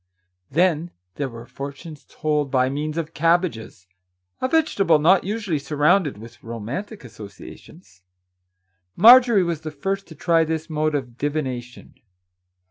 Then there were fortunes told by means of cabbages, — a vegetable not usually surrounded with romantic associations. Marjorie was the first to try this mode of divination.